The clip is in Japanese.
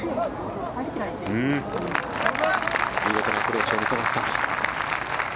見事なアプローチを見せました。